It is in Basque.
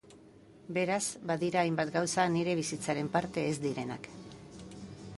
Beraz, badira hainbat gauza nire bizitzaren parte ez direnak.